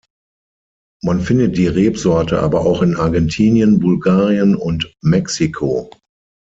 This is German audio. Man findet die Rebsorte aber auch in Argentinien, Bulgarien und Mexiko.